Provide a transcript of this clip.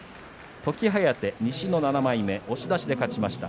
時疾風、西の７枚目押し出しで勝ちました。